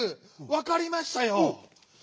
わかりましたよ！